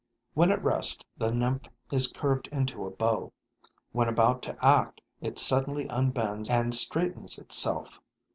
When at rest, the nymph is curved into a bow. When about to act, it suddenly unbends and straightens itself.